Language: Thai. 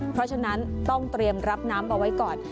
เพราะฉะนั้นต้องเตรียมรับน้ำเอาไว้ก่อน